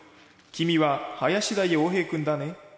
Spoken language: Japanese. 「君は林田洋平君だね？」。